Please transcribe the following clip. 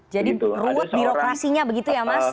jadi ruwet birokrasinya begitu ya mas